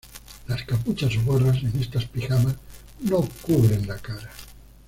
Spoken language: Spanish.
Las capuchas o gorras en estas pijamas no cubren la cara.